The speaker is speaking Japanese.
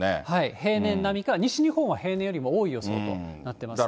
平年並みか、西日本は平年よりも多い予想となっていますね。